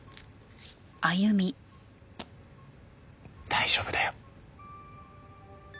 大丈夫だよ。